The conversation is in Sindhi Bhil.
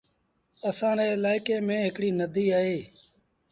اسآݩ الآڪي ميݩ هڪڙيٚ نديٚ اهي۔